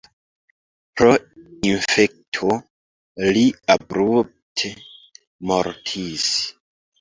Pro infekto li abrupte mortis.